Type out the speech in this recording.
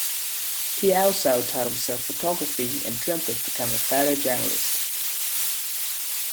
He also taught himself photography and dreamt of becoming a photojournalist.